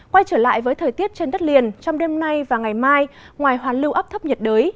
quay trở lại với thời tiết trên đất liền trong đêm nay và ngày mai ngoài hoàn lưu áp thấp nhiệt đới